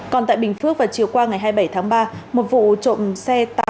còn tại bình phước vào chiều qua ngày hai mươi bảy tháng ba một vụ trộm xe tải